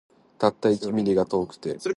たった一ミリが遠くて